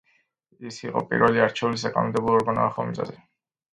ის იყო პირველი არჩეული საკანონმდებლო ორგანო ახალ მიწაზე.